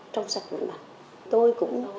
trong sạch vận mặt tôi cũng